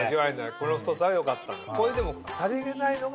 この太さが良かった。